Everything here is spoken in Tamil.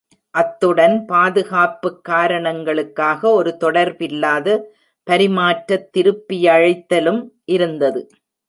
அத்துடன், பாதுகாப்புக் காரணங்களுக்காக ஒரு தொடர்பில்லாத பரிமாற்றத் திருப்பியழைத்தலும் இருந்தது.